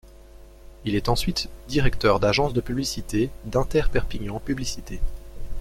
Il est ensuite directeur d’agence de publicité d’Inter Perpignan Publicité.